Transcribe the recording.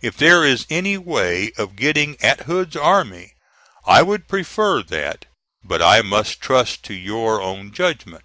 If there is any way of getting at Hood's army, I would prefer that, but I must trust to your own judgment.